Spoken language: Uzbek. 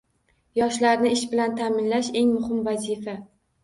Yoshlarni ish bilan ta’minlash – eng muhim vazifa